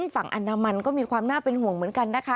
ฝั่งอนามันก็มีความน่าเป็นห่วงเหมือนกันนะคะ